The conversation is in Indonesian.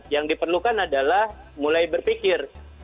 yang diperlukan adalah mulai berpikir